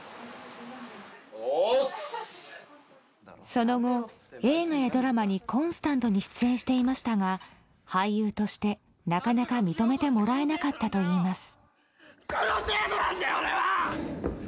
その後映画やドラマにコンスタントに出演していましたが俳優としてなかなか認めてもらえなかったといいます。